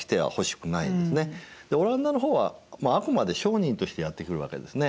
でオランダの方はあくまで商人としてやって来るわけですね。